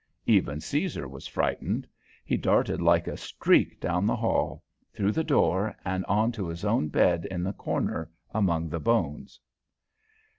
Even Caesar was frightened; he darted like a streak down the hall, through the door and to his own bed in the corner among the bones.